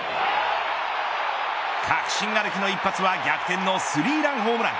確信歩きの一発は逆転のスリーランホームラン。